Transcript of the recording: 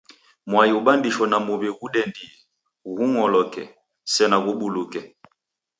Mwai ubandisho na muw'i ghudendie, ghung'oloke, sena ghubuluke.